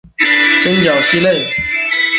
真蜥脚类。